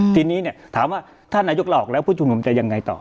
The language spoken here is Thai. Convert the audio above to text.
ทีนี้เนี่ยถามว่าถ้านายกลาออกแล้วผู้ชุมนุมจะยังไงต่อ